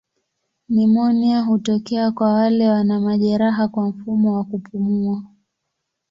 Nimonia hutokea kwa wale wana majeraha kwa mfumo wa kupumua.